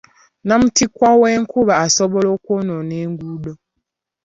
Nnamutikwa w'enkuba asobola okwonoona enguudo.